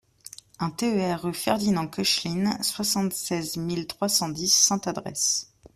un TER rue Ferdinand Koechlin, soixante-seize mille trois cent dix Sainte-Adresse